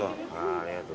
ありがとう。